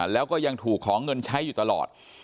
แล้วก็ยังถูกขอเงินใช้อยู่ตลอด